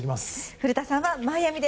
古田さんはマイアミで。